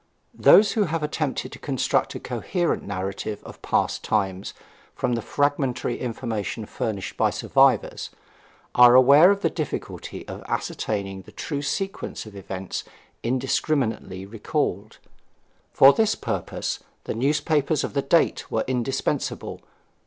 Those who have attempted to construct a coherent narrative of past times from the fragmentary information furnished by survivors, are aware of the difficulty of ascertaining the true sequence of events indiscriminately recalled. For this purpose the newspapers of the date were indispensable.